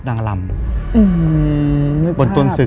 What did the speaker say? คือก่อนอื่นพี่แจ็คผมได้ตั้งชื่อ